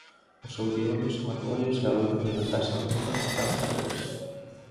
Os ouriolos son arbóreos e adoitan alimentarse nas copas das árbores.